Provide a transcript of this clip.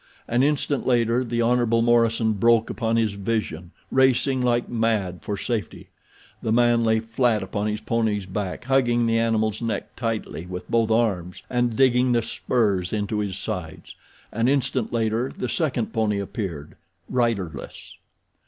An instant later the Hon. Morison broke upon his vision, racing like mad for safety. The man lay flat upon his pony's back hugging the animal's neck tightly with both arms and digging the spurs into his sides. An instant later the second pony appeared—riderless.